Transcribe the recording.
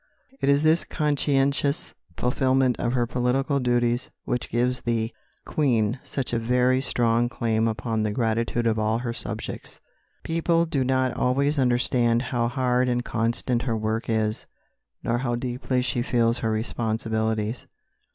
It is this conscientious fulfilment of her political duties which gives the Queen such a very strong claim upon the gratitude of all her subjects. People do not always understand how hard and constant her work is, nor how deeply she feels her responsibilities.